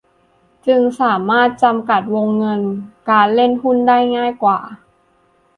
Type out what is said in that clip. จึงสามารถจำกัดวงเงินการเล่นหุ้นได้ง่ายกว่า